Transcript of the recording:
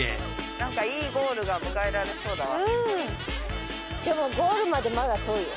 なんかいいゴールが迎えられそうだわ。